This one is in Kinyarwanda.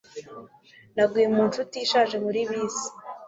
Naguye mu nshuti ishaje muri bisi.